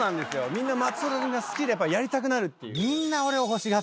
みんな松岡君が好きでやりたくなるっていう。